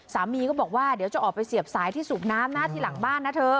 สามีก็บอกว่าเดี๋ยวจะออกไปเสียบสายที่สูบน้ำนะที่หลังบ้านนะเธอ